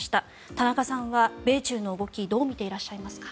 田中さんは米中の動きどのように見ていらっしゃいますか？